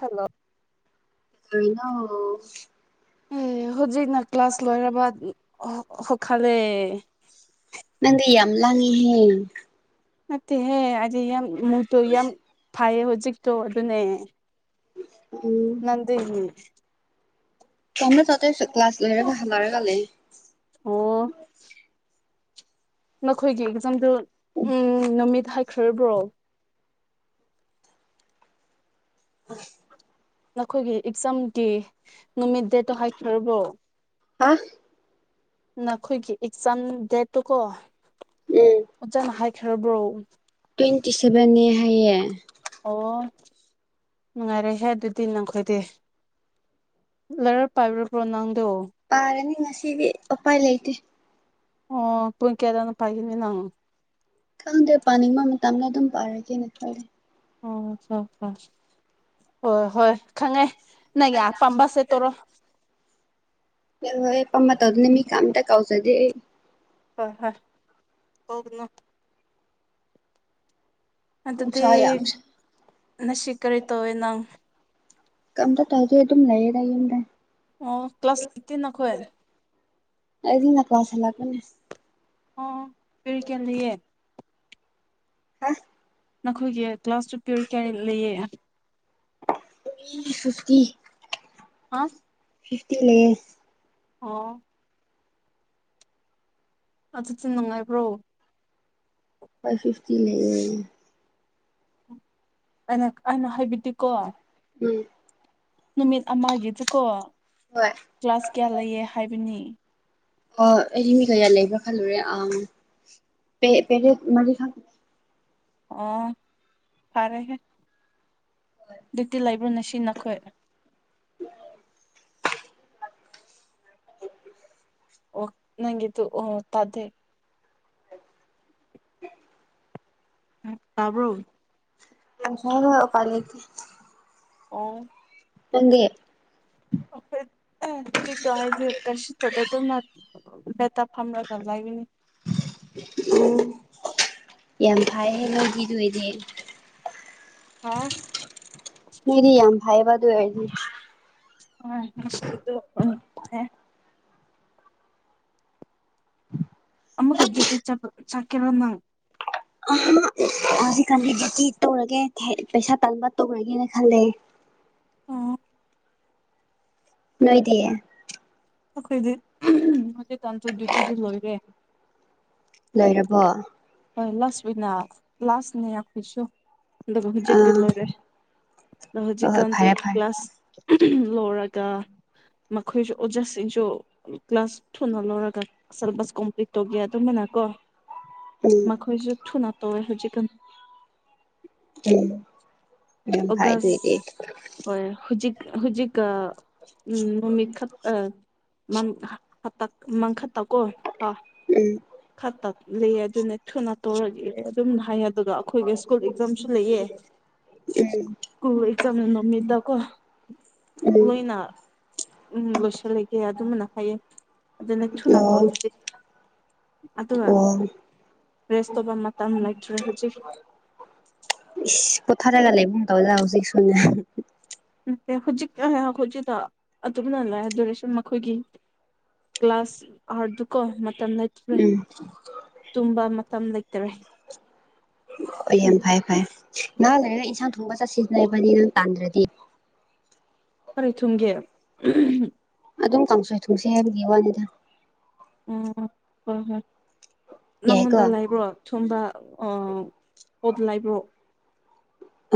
hello ꯩꯅ ꯑꯦ ꯍꯧꯖꯤꯛꯅ ꯀ꯭ꯂꯥꯁ ꯂꯣꯏꯔꯕ ꯁꯈꯂꯦ ꯅꯪꯒ ꯌꯥꯝꯝꯂꯥꯡꯉꯦꯦ ꯅꯠꯇꯦꯍꯦ ꯍꯥꯏꯗꯤ ꯌꯥꯝ ꯃꯨꯠꯇꯨ ꯌꯥꯝ ꯐꯩꯌꯦ ꯍꯧꯖꯤꯛꯇꯣ ꯑꯗꯨꯅꯦ ꯎꯝ ꯅꯟ ꯇꯣꯡꯅ ꯆꯇ ꯀ꯭ꯂꯥꯁ ꯂꯣꯏꯔ ꯀ ꯍꯂꯔꯒꯂꯦ ꯅꯣꯏꯒꯤ ꯑꯦꯛꯖꯥꯝꯗꯨ ꯎꯝ ꯅꯨꯃꯤꯠ ꯍꯥꯏꯈ꯭ꯔꯕ꯭ꯔꯣ ꯑꯁ ꯅꯈꯣꯏꯒꯤ ꯑꯦꯛꯖꯥꯝꯒꯤ ꯅꯨꯃꯤꯠ ꯗꯦꯠꯇꯣ ꯍꯥꯏꯈꯔꯕ꯭ꯔꯣ ꯍꯥ ꯅꯈꯣꯏꯒꯤ ꯑꯦꯛꯖꯥꯝ ꯗꯦꯠꯇꯨ ꯀꯣ ꯎꯝ ꯑꯣꯖꯥꯅ ꯍꯥꯏ ꯈ꯭ꯔꯕ꯭ꯔꯣ ꯇ꯭ꯋꯇꯤ ꯁꯦꯕꯟꯅꯦ ꯍꯥꯏꯌꯦ ꯑꯣ ꯅꯨꯡꯉꯥꯏꯔꯦꯍꯦ ꯑꯗꯨꯗꯤ ꯅꯪꯈꯣꯏꯗꯦ ꯂꯥꯏꯔꯞ ꯄꯥꯏꯕꯔꯕ꯭ꯔꯣ ꯅꯪ ꯄꯥꯔꯅꯤ ꯉꯁꯤꯗꯤ ꯎꯄꯥꯏ ꯂꯩꯇꯦ ꯑꯣ ꯄꯨꯡ ꯀꯦꯗꯅ ꯄꯥꯏꯒꯅꯤ ꯅꯪ ꯈꯪꯗꯦ ꯄꯥꯅꯤꯡꯕ ꯃꯇꯝꯅ ꯑꯗꯨꯝ ꯄꯥꯔꯒꯦꯅ ꯈꯜꯜꯂꯤꯦ ꯑꯣꯝ ꯍꯣ ꯍꯣꯏ ꯍꯣꯏ ꯍꯣꯏ ꯈꯪꯉꯦ ꯅꯪ ꯄꯝꯕꯁꯦ ꯇꯣꯔꯣ ꯍꯌꯦ ꯄꯃ ꯇꯧ ꯑꯗꯨ ꯃꯤ ꯀꯝ ꯇ ꯀꯧ ꯆꯗꯦ ꯍ ꯍ ꯍꯅ ꯑꯗꯗꯤ ꯅꯨꯡꯁꯥ ꯌꯥꯝ ꯁꯥꯏ ꯅꯁꯤ ꯀꯔꯤ ꯇꯧꯦ ꯅꯪ ꯀꯝꯗ ꯇꯗꯤ ꯑꯗꯨꯝ ꯂꯩꯔꯏ ꯑꯅ ꯑꯣ ꯀ꯭ꯂꯥꯁ ꯑꯩꯠꯇꯤꯟ ꯑꯩꯈꯣꯏ ꯑꯩꯗꯤꯅ ꯀ꯭ꯂꯁ ꯂꯥꯛꯒꯅꯦ ꯑꯣ ꯄꯦꯔꯤ ꯀꯦꯟꯗꯤꯌꯦꯦ ꯍꯥ ꯅꯈꯣꯏꯒꯤ ꯀ꯭ꯂꯥꯁꯇꯨ ꯄ꯭ꯌꯔꯤ ꯀꯌꯥꯔꯤ ꯂꯩꯌꯦ ꯐꯐꯇꯤ ꯑ ꯐꯤꯐꯇꯤ ꯂꯩꯦ ꯑꯣ ꯆꯠꯁꯤꯤ ꯅꯨꯡꯉꯥꯏꯕ꯭ꯔꯣ ꯐꯥꯏꯚ ꯐꯤꯐꯇꯤ ꯂꯩ ꯑꯩꯅ ꯑꯩꯅ ꯍꯥꯏꯕꯤꯗꯤꯤ ꯀꯣ ꯎꯝ ꯅꯨꯃꯤꯠ ꯑꯃꯒꯤꯁꯤꯀꯣ ꯍꯣꯏ ꯀ꯭ꯂꯥꯁ ꯀꯌꯥ ꯂꯩꯌꯦ ꯍꯥꯏꯕꯅꯤ ꯑ ꯑꯩꯗꯤ ꯃꯤ ꯀꯌꯥ ꯂꯩꯕ꯭ꯔꯥ ꯈꯜꯂꯨꯔꯦ ꯑ ꯄꯦ ꯄꯦꯔꯦ ꯃꯔꯤ ꯈ ꯑꯣ ꯐꯔꯦ ꯍꯦ ꯑꯗꯨꯛꯇꯤ ꯂꯩꯕ꯭ꯔꯣꯅ ꯁꯤ ꯅꯈꯣꯏ ꯎ ꯑꯣ ꯅꯪꯗꯨ ꯑꯣ ꯇꯗꯦ ꯎ ꯇꯕ ꯍ ꯄꯔꯗꯤ ꯑꯣ ꯇꯗꯦꯦ ꯀꯦ ꯑ ꯀ ꯑꯗꯨꯝꯅ ꯍꯦꯠꯇ ꯐꯝꯂꯒ ꯂꯩꯒꯤꯅꯤ ꯎꯝ ꯌꯥꯝ ꯐꯥꯏꯍ ꯅꯣꯏꯗꯤꯗ ꯑꯣꯏꯗꯤꯦ ꯍꯥꯎ ꯃꯦꯔꯤ ꯌꯥꯝꯚꯥꯏꯕ ꯑꯗꯨ ꯌꯥꯗꯤ ꯑꯦ ꯑꯃꯨꯛꯗꯤ ꯆꯥꯛꯀꯤꯔ ꯅꯪ ꯑ ꯁꯤ ꯈꯜꯂꯦ ꯇꯤ ꯇꯧꯔꯒꯦ ꯄꯩꯁꯥ ꯇꯥꯟꯕ ꯇꯧꯔꯒꯦꯅ ꯈꯜꯂꯦ ꯑꯣ ꯂꯣꯏꯗꯌꯦ ꯑꯩꯈꯣꯏꯗꯤ ꯍꯧꯖꯤ ꯇꯥꯟꯁꯨ ꯗ꯭ꯌꯨꯇꯤꯗꯨ ꯂꯣꯏꯔꯦ ꯂꯣꯏꯔꯕꯣ ꯍꯣꯏ ꯂꯥꯁ ꯑꯣꯏꯅꯅꯥ ꯂꯥꯁꯅꯦ ꯑꯩꯈꯣꯏꯁꯨ ꯑꯗꯨꯒ ꯍꯧꯖꯤꯛꯇꯤ ꯑꯥ ꯂꯣꯏꯔꯦ ꯍꯣꯏ ꯍꯣꯏ ꯍꯧꯣꯖꯤꯛꯟꯗ ꯐꯔꯦ ꯐꯔꯦ ꯀ꯭ꯂ꯭ꯂꯥꯁ ꯂꯣꯔꯒ ꯃꯈꯣꯏꯁꯨ ꯑꯣꯖꯥꯁꯤꯡꯁꯨ ꯀ꯭ꯂꯥꯁ ꯊꯨꯅ ꯂꯧꯔꯒ ꯁꯦꯂꯦꯕꯁ ꯀꯣꯝꯄ꯭ꯂꯤꯠ ꯇꯧꯒꯦ ꯑꯗꯨꯃꯅ ꯀꯣ ꯎꯝ ꯃꯥ ꯈꯣꯏꯁꯨ ꯊꯨ ꯅꯠꯇꯋꯦ ꯍꯧꯖꯤꯛꯀ ꯎꯝ ꯌꯥꯝ ꯐꯥꯏꯗꯨꯣꯏ ꯑꯣꯒꯁ ꯀ ꯍꯣꯏ ꯍꯧꯖꯤꯛ ꯍꯧꯖꯤꯛ ꯎꯝ ꯃꯃꯤꯠ ꯈꯛ ꯍꯇꯛ ꯃꯪꯈꯠꯇꯀꯣ ꯍꯥ ꯎꯝ ꯈꯛꯇ ꯂꯩꯑ ꯑꯗꯨꯅ ꯊꯨꯅ ꯇꯧꯔꯒ ꯑꯗꯨꯝ ꯍꯥꯏꯌꯦ ꯑꯗꯨꯒ ꯑꯩꯈꯣꯏꯒꯤ ꯁ꯭ꯀꯨꯜ ꯑꯦꯛꯖꯥꯝꯁꯨ ꯂꯩꯑ ꯎꯝ ꯁꯀꯨꯜ ꯑꯦꯛꯖꯥꯝ ꯅꯃꯤꯠꯇꯀꯣ ꯎꯝ ꯂꯣꯏꯅ ꯎꯝ ꯂꯣꯏꯁꯤꯜꯂꯒꯦ ꯑꯗꯨꯃꯅ ꯍꯥꯏꯌꯦ ꯑꯗꯨ ꯑꯗꯨꯅꯁꯨꯅ ꯑꯣ ꯇꯣꯖꯤ ꯑ ꯑꯣ ꯔꯦꯁ ꯇꯧꯕ ꯃꯇꯝ ꯂꯩꯇ꯭ꯔꯦ ꯍꯧꯖꯤꯛ ꯏ ꯄꯣꯊꯥꯔꯒ ꯂꯩ ꯃꯨ ꯇꯧ ꯌꯥ ꯍꯧꯁꯤꯁꯨꯅꯦ ꯅꯠꯇꯦ ꯍꯧꯖꯤꯛꯈꯣꯏꯖꯤꯗ ꯑꯗꯨꯝꯅ ꯂꯥꯛꯑꯦ ꯔꯦꯁꯟ ꯃꯈꯣꯏꯒꯤ ꯀ꯭ꯂꯥꯁ ꯑꯥꯔꯗꯨꯨꯀꯣ ꯃꯇꯝ ꯂꯩꯇ꯭ꯔꯦ ꯎꯝ ꯇꯨꯝꯕ ꯃꯇꯝ ꯂꯩꯇꯔꯦ ꯍ ꯌꯥꯝ ꯐꯔꯦ ꯐꯔꯦ ꯅꯍꯥ ꯂꯩꯔꯒ ꯏꯟꯁꯥꯡ ꯊꯣꯡꯕ ꯆꯠ ꯁꯤꯖꯤꯟꯅꯔꯤꯕꯅꯤ ꯅꯪ ꯇꯥꯟꯗ꯭ꯔꯗꯤ ꯀꯔꯤ ꯊꯨꯝꯒꯦ ꯑꯗꯨꯝ ꯀꯥꯡꯁꯣꯏ ꯊꯨꯡꯁꯦ ꯍꯥꯏꯕꯒꯤ ꯋꯥꯅꯤꯗ ꯎꯝ ꯍꯣꯏ ꯍꯣꯏ ꯌꯥꯏꯀꯣ ꯅꯪꯉꯣꯟꯗ ꯂꯥꯏꯕ꯭ꯔꯣ ꯁꯣꯝꯗ ꯄꯣꯗ ꯂꯥꯏꯕ꯭ꯔꯣ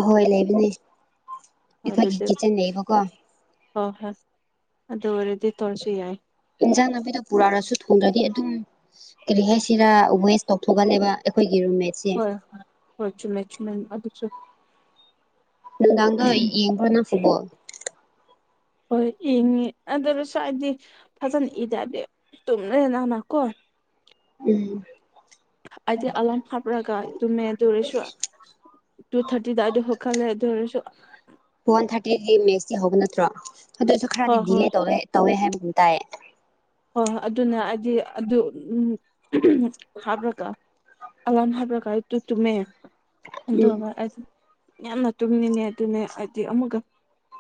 ꯑꯣꯏ ꯂꯩꯕꯅꯦ ꯑꯩꯈꯣꯏꯒꯤ ꯀꯤꯠꯆꯟ ꯂꯩꯕꯀꯣ ꯍ ꯍꯣꯏ ꯑꯗꯨꯗ ꯑꯣꯏꯗꯤ ꯇꯔꯁꯨ ꯌꯥꯏ ꯄꯨꯔꯛꯔꯁꯨ ꯊꯣꯡꯗ꯭ꯔꯗꯤ ꯑꯗꯨꯝ ꯀꯔꯤ ꯍꯥꯏꯩꯁꯤꯔ ꯋꯦꯁ ꯇꯧꯊꯣꯛꯀꯂꯕ ꯑꯩꯈꯣꯏ ꯍꯣꯏ ꯍꯣꯏ ꯍꯣꯏ ꯆꯨꯝꯃꯦ ꯆꯃꯦ ꯑꯗꯨꯁꯨ ꯅꯪ ꯇꯒ ꯌꯦ ꯄꯨ꯭ꯔꯅ ꯐꯨꯕꯣ ꯍꯣꯏ ꯏꯡꯉꯤ ꯑꯗꯨꯗ ꯁꯋꯥꯏꯗꯤ ꯐꯖꯅ ꯏꯗꯗꯦ ꯇꯣꯅꯅꯥꯅꯥ ꯀꯣ ꯎꯝ ꯑꯗꯤ ꯑꯝ ꯍꯥꯕꯔꯥꯒꯥꯏ ꯇꯃ ꯇꯧꯔꯁꯨꯣ ꯇꯨ ꯊꯥꯔꯇꯤꯗꯋꯥꯗ ꯍꯧ ꯈꯜꯂꯦ ꯑꯗꯨ ꯑꯣꯏꯔꯁꯨ ꯑ ꯃꯦꯁꯇꯤ ꯍꯧꯕ ꯅꯠꯇ꯭ꯔꯣ ꯑꯗꯨꯁꯨ ꯈꯔꯗꯤ ꯍꯣꯏ ꯍꯣꯏ ꯗꯤꯂꯦ ꯇꯧ ꯇꯧꯋꯦ ꯍꯥꯏꯕꯒ ꯇꯥꯏꯌꯦ ꯍꯣꯏꯣꯏ ꯑꯗꯨꯅ ꯍꯥꯏꯗꯤ ꯑꯗꯨ ꯎꯝ ꯍꯥꯞꯄ꯭ꯔꯒ ꯑꯔꯀꯥꯏ ꯇꯨ ꯇꯨꯝꯃꯦ ꯎꯝ ꯑꯗꯨꯒ ꯌꯥꯝꯅ ꯇꯨꯝꯉꯤꯅꯦ ꯑꯗꯨꯅꯦ ꯑꯃꯨꯛꯀ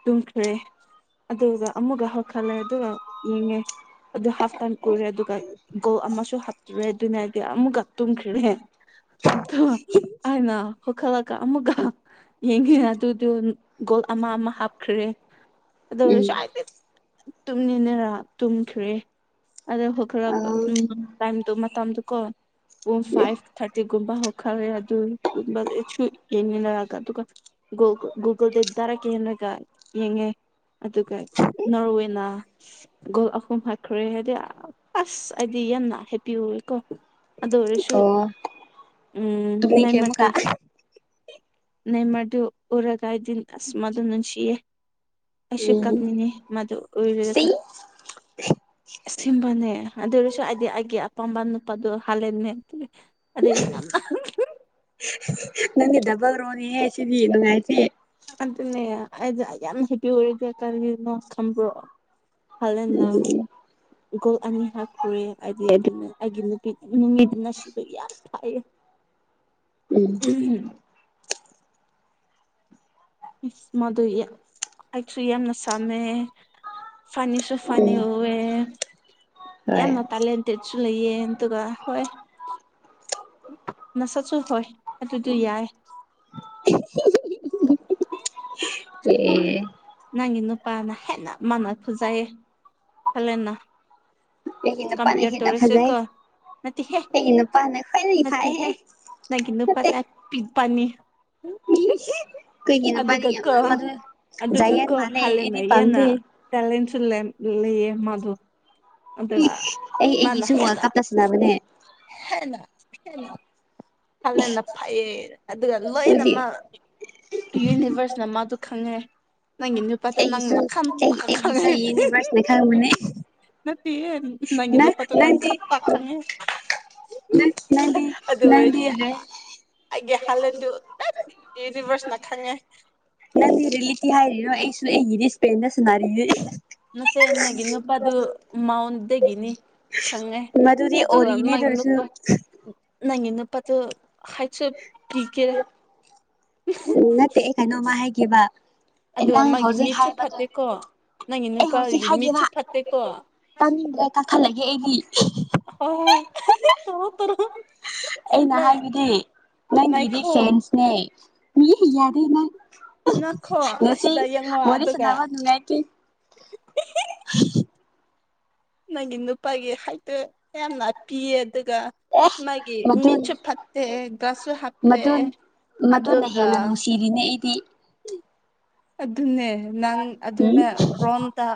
ꯇꯨꯝꯈ꯭ꯔꯦ ꯑꯗꯨꯒ ꯑꯃꯨꯛꯀ ꯍꯧꯈꯠꯂꯦ ꯑꯗꯨꯒ ꯌꯦꯡꯉꯦ ꯑꯗꯨ ꯍꯥꯐ ꯇꯥꯏꯝ ꯀꯔꯦ ꯑꯗꯨꯒ ꯒꯣꯜ ꯑꯃꯁꯨ ꯍꯥꯞꯇꯨꯔꯦ ꯑꯗꯨꯅ ꯍꯥꯏꯗꯤ ꯑꯃꯨꯛꯀ ꯇꯨꯝꯈ꯭ꯔꯔꯦ ꯑꯣ ꯍꯥꯏꯅ ꯍꯈꯂ ꯀ ꯑꯃꯨꯛꯒ ꯌꯦꯡꯉꯤ ꯑꯗꯨꯗꯣ ꯒꯣꯜ ꯑꯃ ꯑꯃ ꯍꯥꯞꯈ꯭ꯔꯦ ꯑꯗꯨꯅ ꯎꯝ ꯇꯨꯝꯅꯤꯅꯦꯔꯥ ꯇꯨꯝꯈ꯭ꯔꯦ ꯑꯗ ꯑ ꯍꯧꯣꯈꯠꯂꯛꯄ ꯇꯥꯏꯝꯗꯣ ꯃꯇꯗꯨ ꯀ ꯐꯥꯏꯚ ꯊꯥꯔꯇꯤ ꯀꯨꯝꯕ ꯍꯧꯈꯔꯦ ꯑꯗꯨꯨꯝꯕꯁꯨ ꯌꯦꯡꯃꯤꯅꯔꯒ ꯑꯗꯨꯒ ꯨꯒꯜ ꯨꯒꯜ ꯇ ꯏ ꯇꯔ ꯀꯦꯅꯦꯒ ꯌꯦꯉꯦ ꯑꯗꯨꯒ ꯅꯣꯔꯋꯦꯅꯥ ꯍꯥꯏꯈ꯭ꯔꯦ ꯍꯥꯏꯗꯤ ꯑꯁ ꯍꯥꯏꯗꯤ ꯌꯥꯝꯅ ꯍꯦꯞꯄꯤ ꯑꯣꯏꯋꯦꯀꯣ ꯑꯗꯣꯨ ꯑꯣ ꯎꯝ ꯅꯟ ꯇꯨꯝꯅꯤꯡꯈ꯭ꯔꯦ ꯑꯃꯨꯛꯀ ꯃꯇꯣ ꯅꯩ ꯃꯗꯨ ꯎꯔꯒꯥꯏꯗꯤꯟ ꯑꯁꯃꯗꯨꯅꯁꯤ ꯌꯦ ꯑꯁ ꯎꯝ ꯀꯞꯅꯤꯅꯦ ꯃꯗꯨ ꯁꯤ ꯑꯣꯏꯗꯒ ꯁꯤꯕꯅꯦ ꯑꯗꯨꯔꯁꯨ ꯍꯥꯏꯗꯤ ꯑꯩꯒꯤ ꯑꯄꯥꯝꯕ ꯅꯨꯄꯥꯗꯣ ꯍꯥꯜꯂꯦꯟꯅꯦ ꯅꯪꯒꯤ ꯗꯕꯒ ꯔꯣꯅꯤ ꯁꯤꯔꯤ ꯍꯥꯏꯗꯤꯦ ꯑꯗꯨꯅꯦ ꯑꯩꯁ ꯌꯥꯝ ꯍꯦꯕꯤ ꯑꯣꯏꯔꯁꯦ ꯀꯔꯤꯒꯤꯅꯣ ꯈꯪꯕ꯭ꯔꯣ ꯐꯜꯦꯟꯅ ꯎꯝ ꯒꯣꯜ ꯑꯅꯤ ꯍꯥ ꯐꯨꯔꯦ ꯑꯗꯤꯅ ꯅꯨꯃꯤꯠꯅ ꯁꯤꯕ ꯌꯥꯝ ꯊꯥꯏꯌꯦ ꯎꯝ ꯃꯗꯨ ꯑꯩꯁꯨ ꯌꯥꯝꯅ ꯁ ꯇꯃꯦ ꯐꯅꯤꯁꯨꯨꯐꯅꯤ ꯎꯝ ꯍꯨꯌꯦ ꯍꯣꯏ ꯌꯥꯝꯅ ꯇꯦꯂꯦꯟꯇꯦꯠꯁꯨ ꯂꯩꯌꯦ ꯑꯗꯨꯒ ꯍꯣꯏ ꯅꯁꯁꯨ ꯍꯣꯏꯨꯇ ꯌꯥꯏ ꯑꯦ ꯅꯪꯒꯤ ꯅꯨꯄꯥꯅ ꯍꯦꯟꯅ ꯃꯥꯅ ꯐꯨꯖꯩꯌꯦ ꯀꯂꯦꯟꯅ ꯑꯩꯒꯤ ꯅꯨꯄꯥꯅ ꯀꯝꯄ꯭ꯌꯨꯔ ꯍꯦꯟꯅ ꯇꯧꯔꯁꯦ ꯐꯖꯩ ꯀ ꯅꯠꯇꯦ ꯍꯦ ꯑꯩꯒꯤ ꯅꯨꯄꯥꯅ ꯈ꯭ꯋꯥꯏꯗꯒꯤ ꯅꯠꯇꯦ ꯍꯦ ꯐꯩꯍꯦ ꯅꯪꯒꯤ ꯅꯨꯄꯥ ꯆ ꯄꯤ ꯄꯅꯤ ꯀꯩꯅ ꯄꯔꯤ ꯑꯗꯨꯒ ꯀꯣ ꯃꯗꯨ ꯑꯗꯨꯒ ꯖꯥꯏꯌꯥꯟ ꯀꯣ ꯃꯥꯜꯂꯦ ꯍꯂꯅ ꯑꯩꯗꯤ ꯍꯦꯟꯅ ꯄꯥꯝꯗꯦ ꯇꯦꯂꯦꯟꯁꯨ ꯂꯩꯌꯦ ꯃꯥꯗꯣ ꯑ ꯑꯩ ꯃꯥꯅ ꯑꯩꯒꯤꯁꯨ ꯋꯥꯔꯜ ꯀꯞꯇ ꯁꯥꯟꯅꯕꯅꯦ ꯍꯅ ꯍ ꯐꯅꯅ ꯐꯥꯏꯔ ꯑꯗꯨꯒ ꯑꯗꯨꯗꯤ ꯂꯣꯏꯅꯃꯛ ꯌꯨꯅꯤꯚꯔꯁꯅ ꯃꯥꯗꯨ ꯈꯪꯉꯦ ꯅꯪ ꯏ ꯅꯨ ꯄꯠꯇ ꯅꯪ ꯑꯩꯒꯤꯁꯨ ꯂꯀꯅ ꯑꯩ ꯄꯈꯔꯦ ꯑꯩꯒꯤꯁꯨ ꯌꯨꯅꯤꯚꯔꯁꯅ ꯈꯪꯕꯅꯦ ꯄ ꯅꯪꯒꯤ ꯅꯨꯄꯥꯗꯣ ꯅꯪ ꯈꯄ ꯈꯪꯉꯦ ꯅꯪ ꯅꯪꯗꯤ ꯑꯗꯨꯒ ꯅꯪꯗꯤ ꯁꯤ ꯔꯦ ꯑꯩꯒꯤ ꯍꯂꯦꯟꯗꯨ ꯑꯁ ꯌꯨꯅꯤꯚꯔꯁꯅ ꯈꯪꯉꯦ ꯅꯪꯗꯤꯔꯦꯂꯤꯇꯤ ꯍꯥꯏꯔꯤꯅꯣ ꯑꯩꯁꯨ ꯑꯩꯒꯤꯗꯤ ꯏꯁꯄꯦꯟꯗ ꯁꯅꯔꯤ ꯅꯠꯇꯦ ꯅꯪꯒꯤ ꯅꯨꯄꯥꯗꯨ ꯃꯥꯎꯟꯗꯒꯤꯅꯤ ꯈꯪꯉꯦ ꯃꯗꯨꯨꯗꯤ ꯑꯣꯔꯤꯅꯦ ꯁꯤ ꯅꯪꯉꯅ ꯄ ꯑꯗꯨ ꯈꯥꯏꯆ ꯀ ꯀꯦꯔ ꯅꯠꯇꯦ ꯑꯩ ꯀꯩꯅꯣꯝꯃ ꯍꯥꯏꯒꯦꯕ ꯑꯗꯣ ꯅꯪ ꯃꯥꯒꯤ ꯍꯧꯖꯤꯛ ꯃꯤꯠꯁꯨ ꯍꯥꯏꯕꯗꯣ ꯐꯠꯇꯦꯀꯣ ꯅꯪꯒꯤ ꯑꯩ ꯍꯧꯖꯤꯛ ꯅꯨꯄꯥꯒꯤ ꯍꯥꯏꯒꯦꯕ ꯃꯤꯠꯁꯨ ꯐꯠꯇꯦꯀꯣ ꯇꯥꯅꯤꯡꯗ꯭ꯔꯦ ꯀꯛꯊꯠꯂꯒꯦ ꯑꯩꯗꯤ ꯍ ꯇ ꯇ ꯑꯩꯅ ꯍꯥꯏꯕꯗꯤ ꯅꯪꯒꯤꯗꯤ ꯅꯥꯏꯈꯣ ꯐꯦꯟꯁꯅꯦ ꯃꯤ ꯌꯥꯗꯦ ꯅꯪ ꯅꯥꯈꯣ ꯅꯁꯤ ꯑꯁꯤꯗ ꯌꯦꯡꯉꯣ ꯋꯥꯔꯤꯂꯤꯁ ꯑꯗꯨꯒ ꯅꯕꯅꯨꯡꯉꯇ [unintelligible] ꯅꯪꯒꯤ ꯅꯨꯄꯥꯒꯤ ꯍꯥꯏꯠꯇ ꯌꯥꯝꯅ ꯄꯤꯑ ꯑꯗꯨꯒꯒ ꯑꯦ ꯃꯥꯒꯤ ꯃꯗꯨꯅ ꯃꯤꯔꯆ ꯐꯞꯦ ꯁꯨꯨ ꯍꯥꯞꯄꯦ ꯃꯗꯨꯟ ꯃꯗꯨꯅ ꯍꯦꯟꯅ ꯅꯨꯡꯁꯤꯔꯤꯅꯦ ꯑꯩꯗꯤ ꯑꯗꯨꯅꯦ ꯅꯪ ꯎꯝ ꯑꯗꯨꯅꯦ ꯔꯣꯟꯇ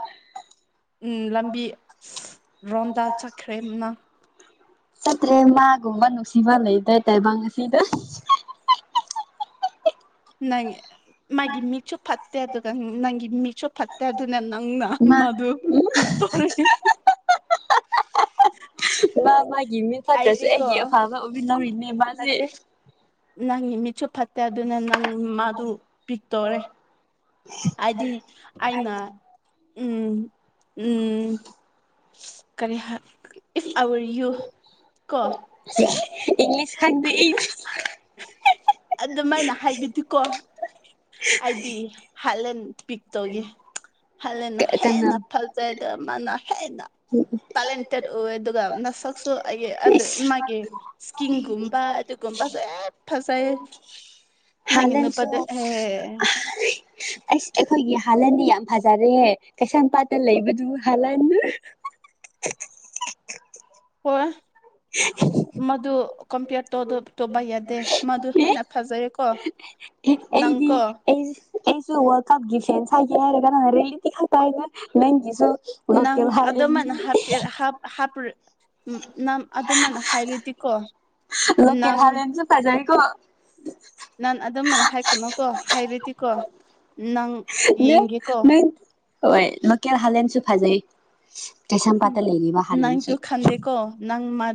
ꯎꯝ ꯂꯝꯕꯤ ꯔꯣꯝꯗ ꯆꯠꯈ꯭ꯔꯦꯅ ꯆꯠꯇ꯭ꯔꯦ ꯃꯥꯒꯨꯝꯕ ꯅꯨꯡꯁꯤꯕ ꯂꯩꯇ꯭ꯔ ꯇꯥꯏꯕꯪ ꯑꯁꯤꯗ ꯅꯪ ꯃꯥꯒꯤ ꯃꯤꯆꯨ ꯐꯠꯇꯦ ꯑꯗꯨ ꯅꯪꯒꯤ ꯃꯤꯆꯨ ꯐꯠꯇꯦ ꯑꯗꯨ ꯅꯪꯅ ꯃꯥ ꯃꯗꯨ ꯎꯝ ꯄꯤꯛꯇꯣꯔꯦ [unintelligible] ꯃꯥ ꯃꯥꯒꯤ ꯃꯤ ꯐꯠꯇ꯭ꯔꯁꯨꯦ ꯑꯩꯗꯤꯀꯣ ꯑꯩꯒꯤ ꯑꯐꯕ ꯑꯣꯏꯕꯤ ꯂꯧꯔꯤꯅꯦ ꯃꯥꯁꯦ ꯅꯠꯇꯦ ꯅꯪꯒꯤ ꯃꯤꯠꯁꯨ ꯐꯠꯇꯦ ꯑꯗꯨꯅ ꯅꯪ ꯃꯥꯗꯨ ꯄꯤꯛꯇꯣꯔꯦ ꯍꯥꯏꯗꯤ ꯑꯩꯅ ꯎꯝ ꯎꯝ ꯀꯦ ꯍꯥꯏ ꯏꯐ ꯑꯔ ꯌꯨ ꯀ ꯏꯪꯂꯤꯁ ꯈꯪꯗꯦ ꯏꯪꯂꯤꯁ ꯑꯗꯨꯃꯥꯏꯅ ꯍꯥꯏꯕꯗꯤꯀꯣ ꯍꯥꯏꯗꯤ ꯍꯥꯂꯦꯟ ꯄꯤꯛꯇꯒꯤ ꯍꯥꯂꯦꯟꯟꯅ ꯀꯅꯥ ꯍꯦꯟꯅ ꯐꯖꯩꯗ ꯃꯥꯅ ꯍꯦꯟꯅ ꯇꯥꯂꯦꯟ ꯇꯠ ꯑꯣꯏ ꯑꯗꯨꯒ ꯅꯁꯛꯁꯨ ꯑꯩ ꯑꯗꯨ ꯏꯁ ꯃꯥꯒꯤ ꯏꯁꯀꯤꯡꯒꯨꯝꯕ ꯀꯨꯝ ꯐꯁ ꯑꯦꯠ ꯐꯁꯥꯏꯦ ꯍꯂꯦꯟꯁꯨꯣ ꯑꯁ ꯑꯩꯈꯣꯏꯒꯤ ꯍꯥꯂꯟꯗꯤ ꯌꯥꯝ ꯐꯖꯔꯦꯍꯦ ꯀꯩꯁꯝꯄꯥꯠꯇ ꯂꯩꯕꯗꯨ ꯍꯂꯟ [unintelligible] ꯍ [unintelligible] ꯃꯗꯨ ꯀꯝꯄꯤꯌꯔ ꯇꯧꯕ ꯌꯥꯗꯦ ꯃꯗꯨ ꯍꯦꯟꯅ ꯐꯖꯩꯀꯣ ꯑꯩꯗꯤꯁꯤ ꯋꯥꯔ ꯀꯄ ꯍꯥꯏꯦ ꯌꯥꯔꯦ ꯀ ꯔꯔꯤ ꯈ ꯇ ꯍꯥꯏꯗꯅ ꯅꯟꯖꯁꯨꯨ ꯅꯪ ꯑꯗ ꯃꯅ ꯍꯥꯞꯀꯦꯔ ꯍꯥ ꯍꯥꯄ꯭ꯔ ꯅꯪ ꯑꯗꯨꯃꯥꯏꯅ ꯍꯥꯏꯔꯗꯤꯀꯣ ꯂꯀꯦꯦꯜ ꯅꯪ ꯍꯂꯅꯁꯨ ꯀꯖꯔꯤꯀꯣ ꯅꯪ ꯑꯗꯨꯃꯥꯏꯅ ꯍꯥꯏꯒꯅꯨꯀꯣ ꯍꯥꯏꯔꯗꯤꯀꯣ ꯅꯪ ꯌꯦꯡꯒꯦꯀꯣ ꯍꯣꯏ ꯂꯀꯦꯜ ꯍꯥꯂꯦꯅꯁꯨ ꯐꯥꯖꯩ ꯎ ꯅꯪꯗꯨ ꯈꯥꯟꯗꯦꯀꯣ ꯅꯪ ꯃꯥ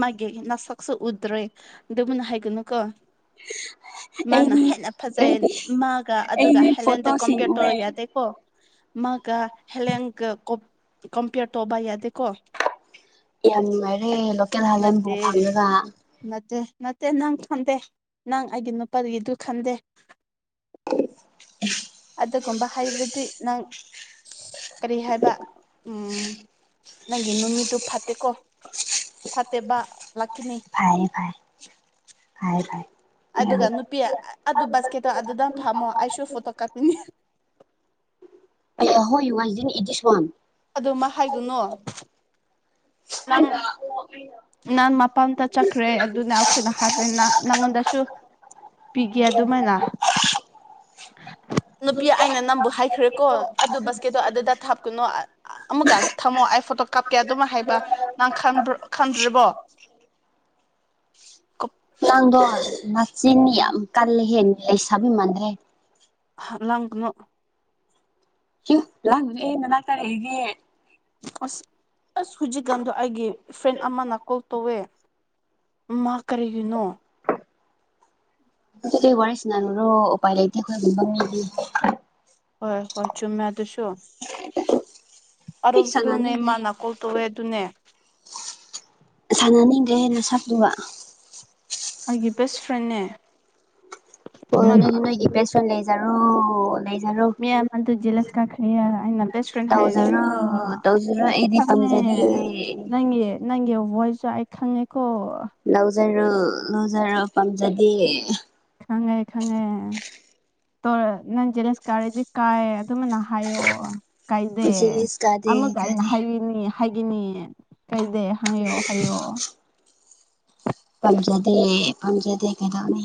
ꯃꯥꯒꯦ ꯅ ꯁ ꯁꯨ ꯎꯗ꯭ꯔꯦ ꯑꯗꯨꯕꯨꯟꯅ ꯍꯥꯏꯒꯅꯨ ꯀꯣ [unintelligible] ꯃꯥꯅ ꯑꯩꯗꯤ ꯍꯦꯟꯅ ꯐꯖꯩ ꯑꯩꯗꯤ ꯃꯥꯒ ꯑꯗꯨꯒ ꯑꯩꯗꯤ ꯍꯦꯂꯦꯟꯗ ꯐꯣꯇꯣꯁꯤꯡ ꯀꯝꯄꯤꯌꯔ ꯇꯧꯔ ꯎꯑꯦ ꯌꯥꯗꯦꯀꯣ ꯃꯥꯒ ꯍꯂꯡꯒ ꯀꯝꯄꯤꯌꯔ ꯇꯧꯧꯕ ꯌꯥꯗꯦꯀꯣ ꯌꯥꯝ ꯅꯨꯡꯉꯥꯏꯔꯦ ꯂꯣꯀꯦꯜ ꯍꯥꯜꯂꯦꯟꯕ ꯅꯠꯇꯦ ꯐꯪꯂꯒ ꯅꯠꯇꯦ ꯅꯠꯇꯦ ꯅꯪ ꯈꯪꯗꯦ ꯅꯪ ꯑꯩꯒꯤ ꯅꯨꯄꯥꯒꯤꯗꯨ ꯈꯟꯗꯦ ꯑꯗꯨꯒꯨꯝꯕ ꯍꯥꯏꯩꯔꯗꯤ ꯅꯪ ꯀꯔꯤ ꯍꯥꯏꯕ ꯎ ꯅꯪꯒꯤ ꯅꯨꯃꯤꯠꯇ ꯐꯠꯇꯦꯀꯣ ꯐꯠꯇꯦꯕ ꯂꯥꯛꯀꯅꯤ ꯐꯥꯏ ꯐꯥꯏ ꯐꯥꯏ ꯐꯥꯏ ꯌꯥꯝ ꯑꯗꯨꯒ ꯅꯨꯄꯤ ꯑꯗꯨ ꯕꯥꯁꯀꯦꯠꯇꯣ ꯑꯗꯨꯗꯪ ꯐꯝꯃꯣ ꯑꯩꯁꯨ ꯐꯣꯇꯣ ꯀꯥꯄꯅꯤ ꯑꯍꯣ ꯌꯨ ꯑꯟ ꯏꯗꯤꯁ ꯋꯥꯟ ꯑꯗꯨꯃ ꯍꯥꯏꯒꯨꯅꯨ ꯍꯪꯉ ꯅꯍꯪꯥꯟ ꯃꯄꯥꯟꯇ ꯆꯠꯈ꯭ꯔꯦ ꯑꯗꯨꯅ ꯑꯩꯈꯣꯏꯅ ꯍꯥꯠꯄꯦ ꯅꯪꯉꯣꯟꯗꯁꯨ ꯄꯤꯒꯦ ꯑꯗꯨꯃꯥꯏꯅ ꯅꯨꯄꯤ ꯑꯩꯅ ꯅꯝꯕꯨ ꯍꯥꯏ ꯈ꯭ꯔꯦꯀꯣ ꯑꯗꯨ ꯕꯁꯀꯦꯠꯇꯣ ꯑꯗꯨꯗ ꯊꯥꯞꯀꯨꯅꯣ ꯑꯃꯨꯛꯀ ꯊꯝꯃꯣ ꯑꯩ ꯐꯣꯇꯣ ꯀꯥꯞꯀꯦ ꯑꯗꯨꯃ ꯍꯥꯏꯕ ꯅꯪꯕ ꯈꯟꯗ꯭ꯔꯔꯤꯕꯣ ꯅꯥꯡꯗꯣ ꯅꯆꯤꯟꯅꯤ ꯌꯥꯝ ꯀꯜꯂ ꯍꯦ ꯂꯩꯁꯕꯤ ꯃꯥꯟꯗ꯭ꯔꯦ ꯂꯪꯅ ꯑꯦ ꯑꯁ ꯑꯁ ꯍꯧꯖꯤꯛꯀꯥꯟꯗꯣ ꯑꯩꯒꯤ ꯐ꯭ꯔꯦꯟ ꯑꯃꯅ ꯀꯣꯜ ꯇꯧꯋꯦ ꯃꯥ ꯀꯔꯤꯒꯤꯨꯅꯣ ꯋꯥ ꯋꯥꯔꯤ ꯁꯅꯅꯔꯣ ꯎꯄꯥꯏ ꯂꯩꯇ ꯈꯣꯏꯒꯕꯦ ꯍꯣꯏ ꯍꯣꯏ ꯆꯨꯝꯃꯦꯗꯁꯨꯣ ꯑꯩ ꯑꯔꯨꯗꯨꯅꯦ ꯁꯥꯟꯅꯅꯤꯡꯗ꯭ꯔꯦ ꯏꯃꯅꯅꯥ ꯀꯧ ꯇꯣꯛꯑꯦ ꯑꯗꯨꯅꯦ ꯁꯥꯟꯅꯅꯤꯡꯗꯦ ꯍꯦꯟꯅ ꯁꯂꯨꯕ ꯑꯩꯒꯤ ꯕꯦꯁ ꯐ꯭ꯔꯦꯟꯅꯦ ꯄꯣꯏ ꯃꯥꯅ ꯑꯣꯏꯅꯅꯗꯤꯅ ꯏ ꯒꯤꯕꯦꯁ ꯂꯩꯖꯔ ꯃꯦ ꯃ ꯑꯗꯨ ꯖꯤꯂꯁ ꯀꯥꯈ ꯑꯅ ꯦꯁ ꯐ꯭ꯔꯦꯟ ꯇꯧꯖꯔꯣ ꯍꯥꯏꯔꯇꯀꯉ ꯇꯧꯖꯔꯣ ꯑꯩꯗꯤ ꯄꯥꯝꯖꯗꯤꯌꯦ ꯅꯪ ꯅꯪ ꯋꯥꯣꯏꯁꯨꯏ ꯈꯅꯦꯀꯣ ꯂꯧꯖꯔꯣ ꯂꯧꯖꯔꯣ ꯄꯥꯝꯖꯗꯦ ꯈꯪꯉꯦ ꯈꯉꯦ ꯇ ꯅꯪ ꯖꯦꯂꯦꯟꯁ ꯀꯥꯔꯗꯤ ꯀꯥꯏ ꯑꯗꯨꯃꯅ ꯍꯥꯏꯌꯣꯑꯣ ꯀꯥꯏꯗꯦ ꯖꯦꯂꯤꯁ ꯀꯥꯗꯦ ꯑꯃꯒ ꯑꯩꯅ ꯀꯥꯗꯦ ꯍꯥꯏꯔꯤꯅꯤ ꯍꯥꯏꯒꯅꯤ ꯀꯩꯗ ꯍꯪꯌꯣ ꯍꯥꯏꯌꯣ ꯄꯝꯖꯗꯦ ꯄꯝꯖꯗꯦ ꯀꯩꯗꯧꯅꯤ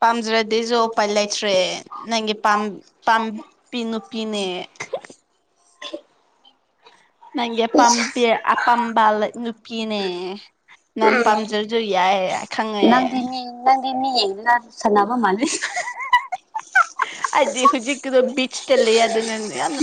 ꯄꯥꯝꯖꯔꯗꯤꯁꯨ ꯎꯄꯥꯏ ꯂꯩꯇ꯭ꯔꯦ ꯅꯪꯒꯤ ꯄꯥꯝꯕꯤ ꯅꯨꯄꯤꯅꯦ [inaudible] ꯅꯪꯦ ꯏꯁ ꯄꯝꯄꯦ ꯑ ꯄꯝꯕꯜ ꯨꯄꯤꯅꯦ ꯎꯝ ꯅꯪꯅꯤ ꯅꯪꯅꯤ ꯌꯦ ꯁꯅꯥꯕ ꯃꯥꯂ ꯊꯦ ꯑꯗꯤ ꯍꯧꯨꯖꯤ ꯀ ꯑꯗꯨ ꯕꯤꯆ ꯇ ꯂꯩ ꯑ ꯑꯗꯨ ꯅ